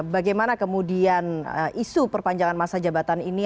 bagaimana kemudian isu perpanjangan masa jabatan ini